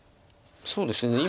そうですね